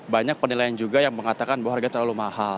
banyak penilaian juga yang mengatakan bahwa harga terlalu mahal